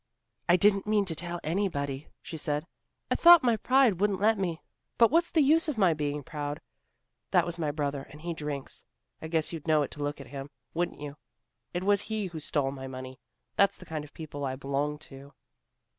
"I didn't mean to tell anybody," she said. "I thought my pride wouldn't let me, but what's the use of my being proud? That was my brother, and he drinks. I guess you'd know it to look at him, wouldn't you? It was he who stole my money. That's the kind of people I belong to."